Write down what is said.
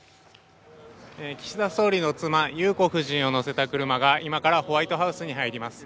岸田総理の妻、裕子夫人を乗せた車が今からホワイトハウスに入ります。